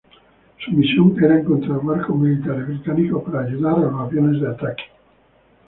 Su misión era encontrar barcos militares británicos para ayudar a los aviones de ataque.